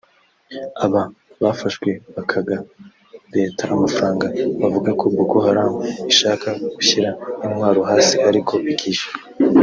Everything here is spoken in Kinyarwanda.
Aba bafashwe bakaga Leta Amafaranga bavuga ko Boko Harimo ishaka gushyira intwaro hasi ariko ikishyurwa